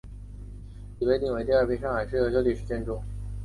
已被定为第二批上海市优秀历史建筑。